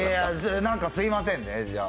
なんかすいませんね、じゃあ。